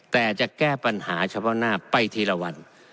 แต่จะแก้ปัญหาเฉพาะหน้าไปทีละวัน